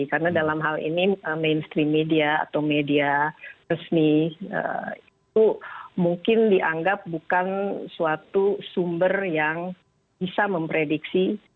karena dalam hal ini mainstream media atau media resmi itu mungkin dianggap bukan suatu sumber yang bisa memprediksi